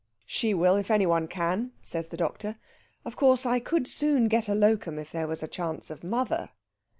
"She will if any one can," says the doctor. "Of course, I could soon get a locum if there was a chance of mother."